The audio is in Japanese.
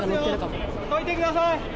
どいてください。